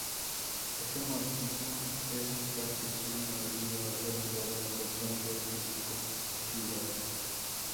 Este morfismo es cartesiano debido a la propiedad universal del producto fibrado.